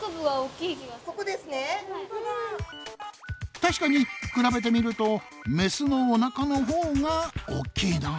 確かに比べてみるとメスのおなかのほうが大きいなぁ。